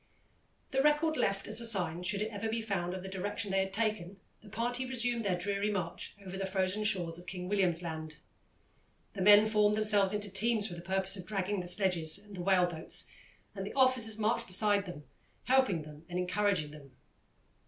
The record, left as a sign, should it ever be found, of the direction they had taken, the party resumed their dreary march over the frozen shores of King William's Land. The men formed themselves into teams for the purpose of dragging the sledges and whale boats, and the officers marched beside them, helping them and encouraging them.